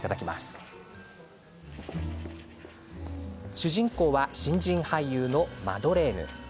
主人公は新人俳優のマドレーヌ。